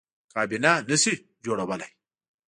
کابینه نه شي جوړولی.